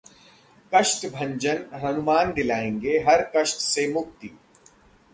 कष्टभंजन हनुमान दिलाएंगे हर कष्ट से मुक्ति